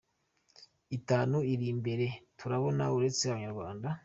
itanu iri imbere turabona uretse Abanyarwanda.